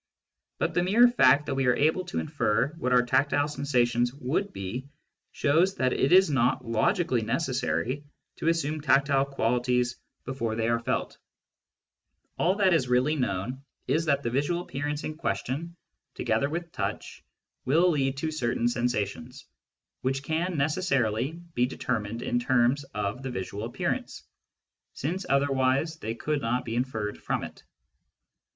But the mere fact that we are able to infer what our tactile sensations would be shows that it is not logically necessary to assume tactile qualities before they are felt All that is really known is that the visual appearance in question, together with touch, will lead to certain sensations, which can necessarily be determined in terms of the visual appearance, since otherwise they could not be inferred from it.